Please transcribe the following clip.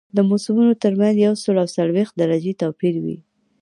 د موسمونو ترمنځ یو سل او څلوېښت درجې توپیر وي